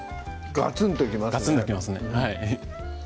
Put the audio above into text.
ガツンときますね